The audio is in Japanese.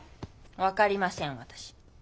分かりません私。